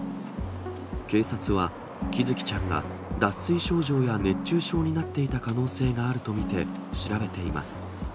警察は、喜寿生ちゃんが脱水症状や熱中症になっていた可能性があると見て調べています。